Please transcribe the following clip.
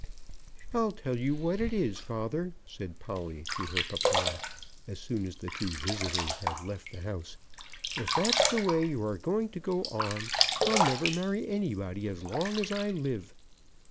"I'll tell you what it is, father," said Polly to her papa, as soon as the two visitors had left the house, "if that's the way you are going to go on, I'll never marry anybody as long as I live."